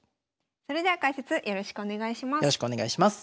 それでは解説よろしくお願いします。